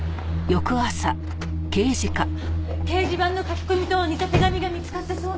掲示板の書き込みと似た手紙が見つかったそうね。